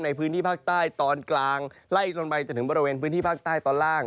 ในพื้นที่ภาคใต้ตอนกลางไล่จนไปจนถึงบริเวณพื้นที่ภาคใต้ตอนล่าง